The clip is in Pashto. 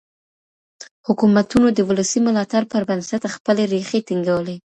حکومتونو د ولسي ملاتړ پر بنسټ خپلي ريښې ټينګولې.